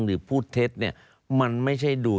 หรือพูดเท็จเนี่ยมันไม่ใช่ดูด